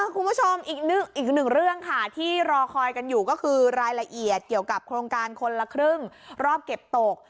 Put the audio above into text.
คุณผู้ชมอีกหนึ่งเรื่องค่ะที่รอคอยกันอยู่ก็คือรายละเอียดเกี่ยวกับโครงการคนละครึ่งรอบเก็บตก